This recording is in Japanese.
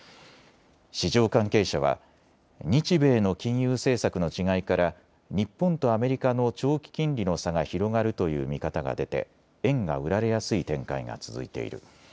市場関係者は日米の金融政策の違いから日本とアメリカの長期金利の差が広がるという見方が出て円が売られやすい展開が続いている。